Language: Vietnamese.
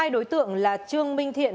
hai đối tượng là trương minh thiện